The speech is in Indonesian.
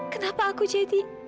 kenapa aku jadi